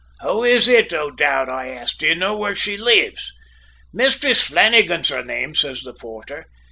"`Who is it, O'Dowd?' I asks. `Do you know where she lives?' "`Mistress Flannagan's her name,' says the porter.